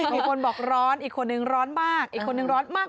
มีคนบอกร้อนอีกคนนึงร้อนมากอีกคนนึงร้อนมาก